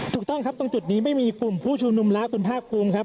ถูกต้องครับตรงจุดนี้ไม่มีกลุ่มผู้ชุมนุมแล้วคุณภาคภูมิครับ